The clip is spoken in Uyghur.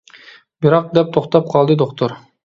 — بىراق، .— دەپ توختاپ قالدى دوختۇر.